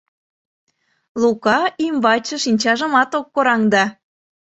Лука ӱмбачше шинчажымат ок кораҥде.